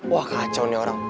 wah kacau nih orang